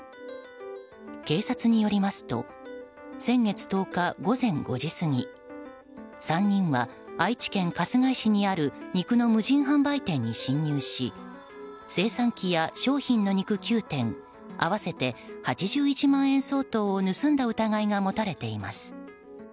警察によりますと先月１０日午前５時過ぎ３人は愛知県春日井市にある肉の無人販売店に侵入し精算機や商品の肉９点合わせて８１万円相当を盗んだ疑いが持たれています。